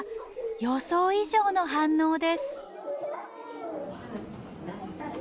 予想以上の反応です。